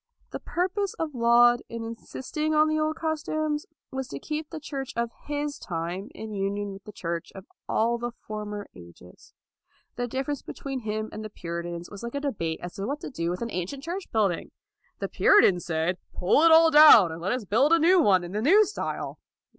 The purpose of Laud in insisting on the old customs was to keep the Church of his time in union with the Church of all the former ages. The difference between him and the Puri LAUD 225 tans was like a debate as to what to do with an ancient church building. The Puritans said, " Pull it all down, and let us build a new one in the new style.'